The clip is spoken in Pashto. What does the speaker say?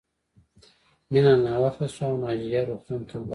مینه ناوخته شوه او ناجیه روغتون ته لاړه